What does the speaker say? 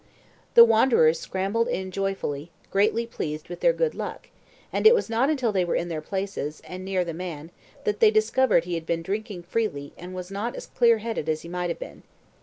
The wanderers scrambled in joyfully, greatly pleased with their good luck, and it was not until they were in their places, and near the man, that they discovered he had been drinking freely and was not as clear headed as he might have been.